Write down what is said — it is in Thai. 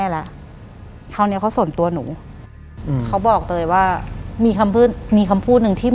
หลังจากนั้นเราไม่ได้คุยกันนะคะเดินเข้าบ้านอืม